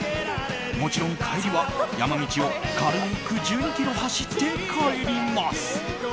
もちろん帰りは山道を軽く１２ｋｍ走って帰ります。